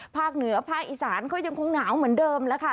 ภาคเหนือภาคอีสานก็ยังคงหนาวเหมือนเดิมแล้วค่ะ